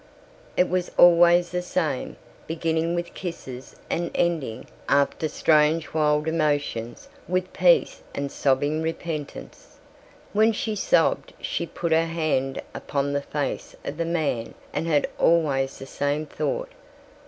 It was always the same, beginning with kisses and ending, after strange wild emotions, with peace and then sobbing repentance. When she sobbed she put her hand upon the face of the man and had always the same thought.